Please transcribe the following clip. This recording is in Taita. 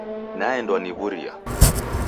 Naendwa ni w'uria.